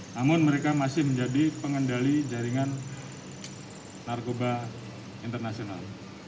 namun mereka masih menjadi pengendali jaringan narkoba internasional